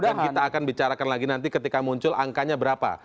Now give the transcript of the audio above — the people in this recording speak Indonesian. kemudian kita akan bicarakan lagi nanti ketika muncul angkanya berapa